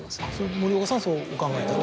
森岡さんはそうお考えで。